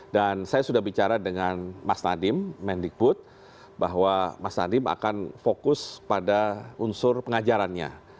dan saya sudah bicara dengan mas nadiem menteri pendidikan tinggi bahwa mas nadiem akan fokus pada unsur pengajarannya